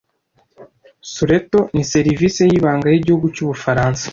Sureto ni serivisi y'ibanga y'igihugu cy'Ubufaransa